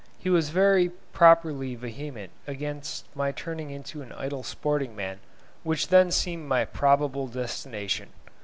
He was very properly vehement against my turning into an idle sporting man, which then seemed my probable destination.